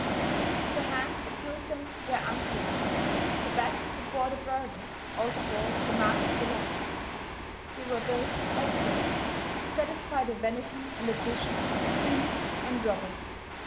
The hands that built them were unpaid. The backs that bore the burdens also bore the marks of the lash. They were built by slaves to satisfy the vanity and ambition of thieves and robbers.